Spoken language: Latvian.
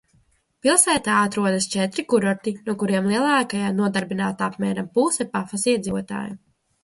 Pilsētā atrodas četri kūrorti, no kuriem lielākajā nodarbināta apmēram puse Pafas iedzīvotāju.